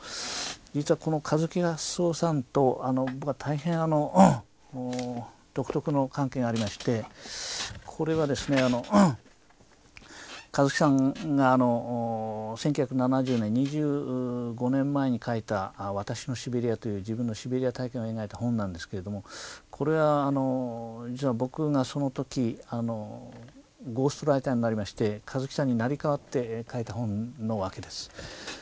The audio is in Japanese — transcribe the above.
実はこの香月泰男さんと僕は大変独特の関係がありましてこれはですね香月さんが１９７０年２５年前に書いた「私のシベリヤ」という自分のシベリア体験を描いた本なんですけれどもこれは実は僕がその時ゴーストライターになりまして香月さんに成り代わって書いた本のわけです。